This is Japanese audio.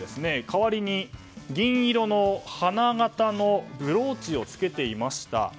代わりに銀色の花型のブローチをつけていました。